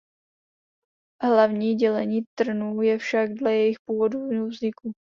Hlavní dělení trnů je však dle jejich původu vzniku.